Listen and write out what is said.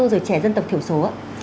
rồi trẻ dân tộc thiểu số